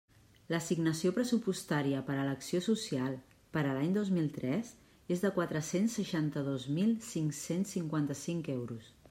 L'assignació pressupostària per a l'Acció Social, per a l'any dos mil tres, és de quatre-cents seixanta-dos mil cinc-cents cinquanta-cinc euros.